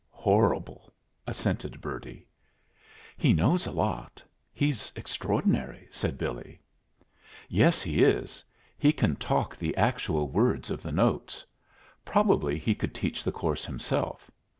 "Horrible," assented Bertie. "He knows a lot. He's extraordinary," said Billy. "Yes, he is. He can talk the actual words of the notes. Probably he could teach the course himself.